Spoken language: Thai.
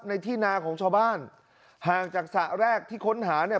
ในที่นาของชาวบ้านห่างจากสระแรกที่ค้นหาเนี่ย